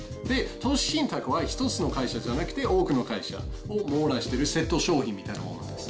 投資信託は１つの会社じゃなくて、多くの会社を網羅してるセット商品みたいなものなんです。